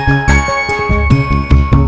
kan tadi saya sudah bilang